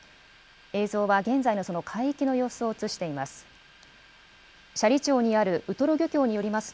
映像は、現在のその海域の様子を映しています。